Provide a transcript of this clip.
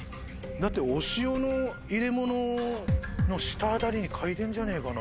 だってお塩の入れ物の下あたりに書いてんじゃねえかな。